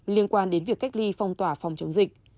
liên quan đến việc cách ly phong tỏa phòng chống dịch